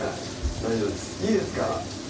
大丈夫ですいいですか？